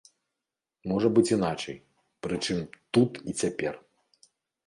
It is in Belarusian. Можа быць іначай, прычым тут і цяпер.